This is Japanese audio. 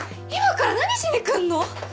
今から何しに来んの？